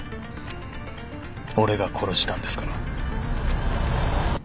俺が殺したんですから。